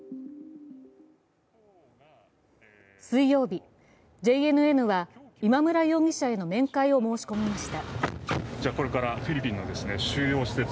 水曜日、ＪＮＮは今村容疑者への面会を申し込みました。